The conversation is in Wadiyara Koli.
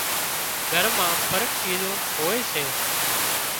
گھر مان فرق شيزون هوئي سي